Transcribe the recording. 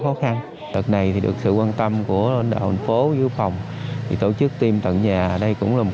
khó khăn đợt này được sự quan tâm của đội bệnh phố giữ phòng tổ chức tiêm tận nhà đây cũng là